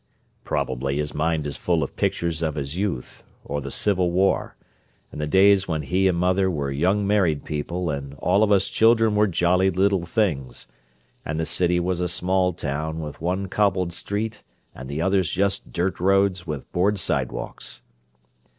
"Probably his mind is full of pictures of his youth, or the Civil War, and the days when he and mother were young married people and all of us children were jolly little things—and the city was a small town with one cobbled street and the others just dirt roads with board sidewalks."